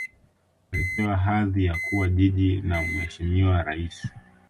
walipewa hadhi ya kuwa jiji na mheshimiwa rais